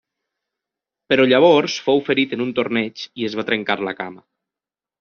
Però llavors fou ferit en un torneig i es va trencar la cama.